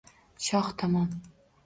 Shoh tomon.